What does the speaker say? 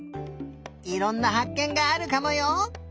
いろんなはっけんがあるかもよ。